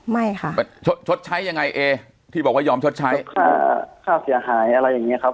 ไม่ค่ะชดใช้ยังไงเอที่บอกว่ายอมชดใช้ค่าค่าเสียหายอะไรอย่างเงี้ครับ